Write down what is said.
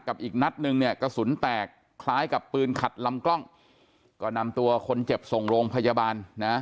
อีกนัดนึงเนี่ยกระสุนแตกคล้ายกับปืนขัดลำกล้องก็นำตัวคนเจ็บส่งโรงพยาบาลนะ